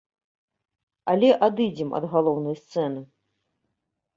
Але адыдзем ад галоўнай сцэны.